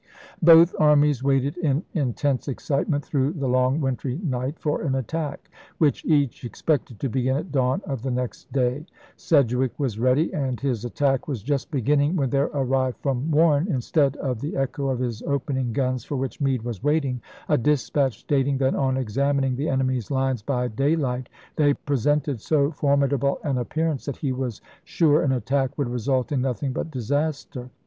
Both armies waited in intense excitement through the long wintry night for an attack, which each expected to begin at dawn of the next day. Sedg wick was ready, and his attack was just beginning when there arrived from Warren, instead of the echo of his opening guns for which Meade was waiting, a dispatch, stating that on examining the enemy's lines by daylight they presented so for midable an appearance that he was sure an attack would result in nothing but disaster.